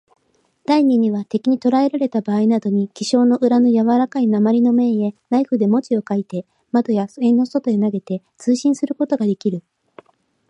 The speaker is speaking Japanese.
第二には、敵にとらえられたばあいなどに、記章の裏のやわらかい鉛の面へ、ナイフで文字を書いて、窓や塀の外へ投げて、通信することができる。